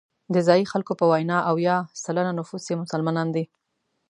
د ځایي خلکو په وینا اویا سلنه نفوس یې مسلمانان دي.